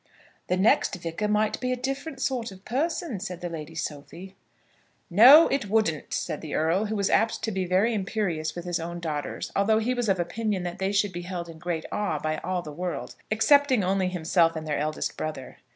"The next vicar might be a different sort of person," said the Lady Sophie. "No; it wouldn't," said the Earl, who was apt to be very imperious with his own daughters, although he was of opinion that they should be held in great awe by all the world excepting only himself and their eldest brother.